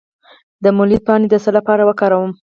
د مولی پاڼې د څه لپاره وکاروم؟